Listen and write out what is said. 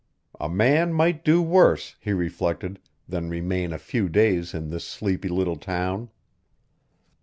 A man might do worse, he reflected, than remain a few days in this sleepy little town.